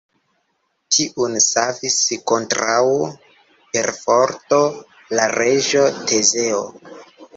Tiun savis kontraŭ perforto la reĝo Tezeo.